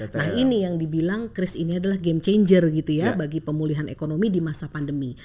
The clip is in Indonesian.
nah ini yang dibilang kris ini adalah game changer gitu ya bagi pemulihan ekonomi di masa pandemi